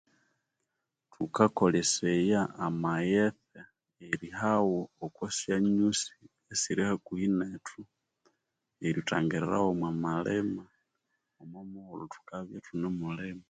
Thukakoleseya amaghetse irihaghu okwa syanyusi isiri hakuhi nethu eryuthangirara gho mo malima omo mughulhu thukabya ithunemulima